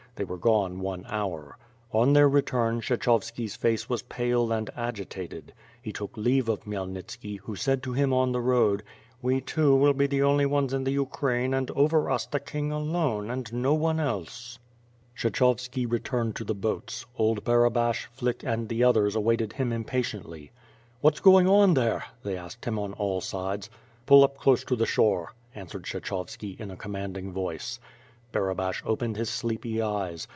They were gone one hour. On their return, Kshechovski's face was pale and agitated. He took leave of Khmyelnitski, who said to him on tlie road, "We two will be the only ones in the Ukraine and over us the king alone, and no one else." Ksliechovski returned to the boats. Old Barabash, Flick, and the others awaited him impatiently. "What's going on there?" they asked him on all sides. "Pull up close to the shore," answered Kshechov^ki, in a commanding voice. Barabash opened his sleepy eyes.